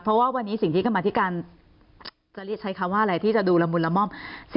เพราะว่าวันนี้สิ่งที่กรรมธิการจะใช้คำว่าอะไรที่จะดูละมุนละม่อม